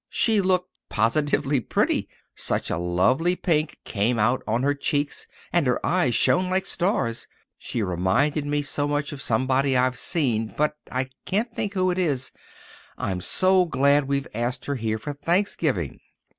She looked positively pretty—such a lovely pink came out on her cheeks and her eyes shone like stars. She reminded me so much of somebody I've seen, but I can't think who it is. I'm so glad we've asked her here for Thanksgiving!"